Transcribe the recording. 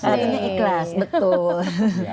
salah satunya ikhlas betul